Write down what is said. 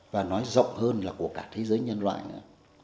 và nói rộng hơn là của cả thế giới nhân loại nữa